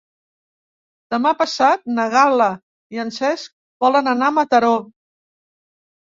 Demà passat na Gal·la i en Cesc volen anar a Mataró.